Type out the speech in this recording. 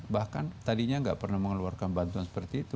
bahkan tadinya nggak pernah mengeluarkan bantuan seperti itu